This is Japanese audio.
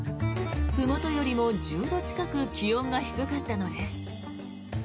ふもとよりも１０度近く気温が低かったのです。